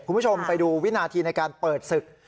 คุณผู้ชมไปดูวินาทีในการเปิดศึก